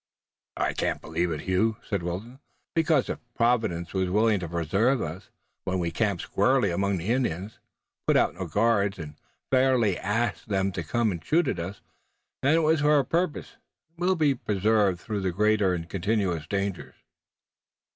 "I can't believe it, Hugh," said Wilton, "because if Providence was willing to preserve us, when we camped squarely among the Indians, put out no guards, and fairly asked them to come and shoot at us, then it was for a purpose and we'll be preserved through greater and continuous dangers."